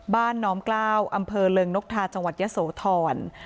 น้อมกล้าวอำเภอเริงนกทาจังหวัดยะโสธร